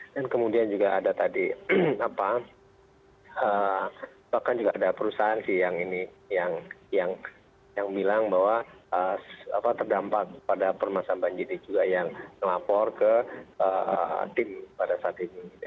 dan kemudian juga ada tadi bahkan juga ada perusahaan sih yang bilang bahwa terdampak pada permasan banjiri juga yang melapor ke tim pada saat ini